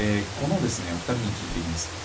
お二人に聞いていきます。